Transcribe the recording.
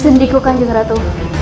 sendiku kanjeng ratu